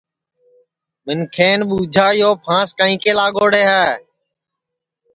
منکھین ٻوجھا یو پھانٚس کائیں کے لاگوڑے ہے